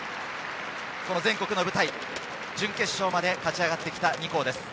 全国の舞台、準決勝まで勝ち上がってきた２校です。